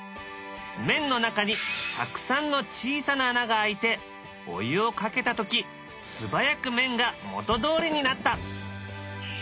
麺の中にたくさんの小さな穴があいてお湯をかけた時素早く麺が元どおりになった。